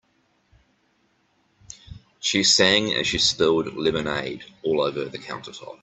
She sang as she spilled lemonade all over the countertop.